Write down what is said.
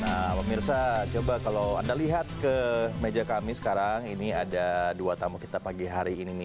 nah pemirsa coba kalau anda lihat ke meja kami sekarang ini ada dua tamu kita pagi hari ini nih